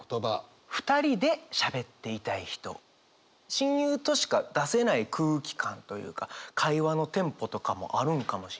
親友としか出せない空気感というか会話のテンポとかもあるんかもしんないです。